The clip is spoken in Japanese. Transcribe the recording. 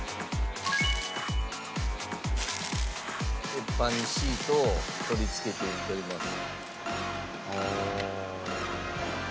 「鉄板にシートを取り付けていっております」